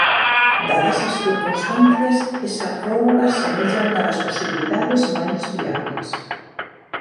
Dadas as circunstancias, esa prórroga semella unha das posibilidades máis viables.